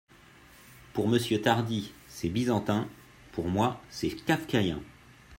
Pour Monsieur Tardy, c’est byzantin, pour moi c’est kafkaïen.